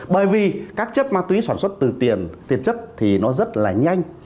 bởi vì các chất ma túy sản xuất từ tiền chất thì nó rất là nhanh